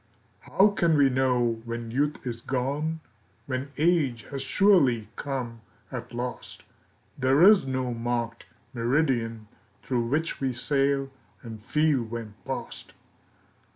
HOW can we know when youth is gone, When age has surely come at last? There is no marked meridian Through which we sail, and feel when past.